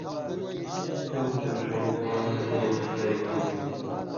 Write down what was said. چمہۡ چور ݜَیں زیؤں رتَیں سپلائ کم ہُوئ تھی۔